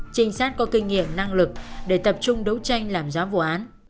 trinh sát có kinh nghiệm năng lực để tập trung đấu tranh làm rõ vụ án